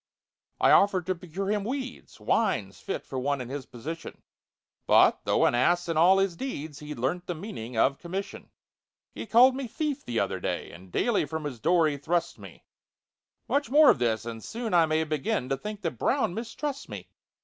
I offered to procure him weeds— Wines fit for one in his position— But, though an ass in all his deeds, He'd learnt the meaning of "commission." He called me "thief" the other day, And daily from his door he thrusts me; Much more of this, and soon I may Begin to think that BROWN mistrusts me.